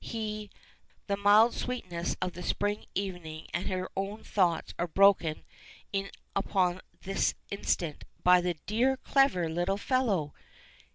He The mild sweetness of the spring evening and her own thoughts are broken in upon at this instant by the "dear, clever little fellow."